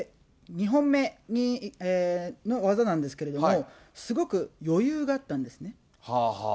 ２本目の技なんですけれども、すごく余裕があったんですね。